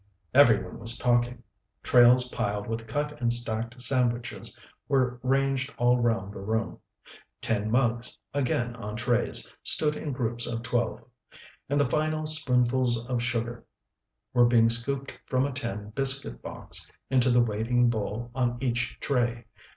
Every one was talking. Trays piled with cut and stacked sandwiches were ranged all round the room; tin mugs, again on trays, stood in groups of twelve; and the final spoonfuls of sugar were being scooped from a tin biscuit box into the waiting bowl on each tray.